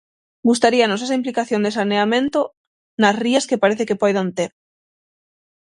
Gustaríanos esa implicación de saneamento nas rías que parece que poidan ter.